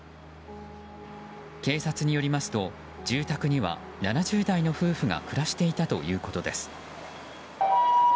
警察によりますと住宅には７０代の夫婦が暮らしていたということです。